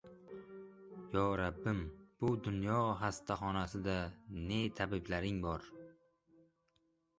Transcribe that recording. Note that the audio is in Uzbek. -Yo, Robbim! Bu dunyo xastaxonasida ne tabiblaring bor!!!